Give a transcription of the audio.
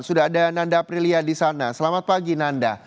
sudah ada nanda aprilia di sana selamat pagi nanda